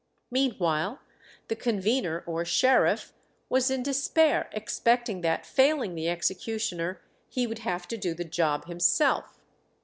Meanwhile the convener or sheriff was in despair, expecting that, failing the executioner, he would have to do the job himself.